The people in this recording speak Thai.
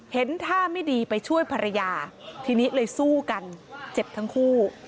เห็นท่าไม่ดีไปช่วยภรรยาทีนี้เลยสู้กันเจ็บทั้งคู่